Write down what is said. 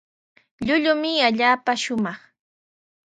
Lluychumi allaapa shumaq.